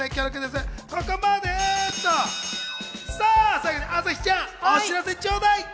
最後に朝日ちゃん、お知らせちょうだい！